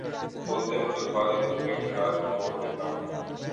بولتے وقت الفاظ ایک دوسرے کے ساتھ جوڑ دیتا ہوں